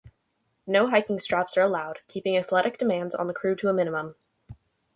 No hiking straps are allowed, keeping athletic demands on the crew to a minimum.